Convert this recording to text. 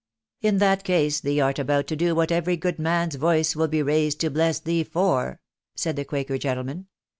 " In that case, thee art about to do what every good man's voice will be raised to bless thee for," said the quaker gentleman.